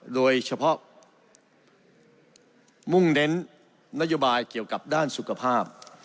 โดยเฉพาะมุ่งเน้นนโยบายเกี่ยวกับด้านสุขภาพ